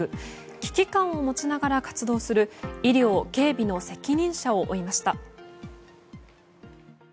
危機感を持ちながら活動する医療、警備の責任者を追いました。